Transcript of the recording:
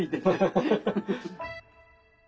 ハハハハ。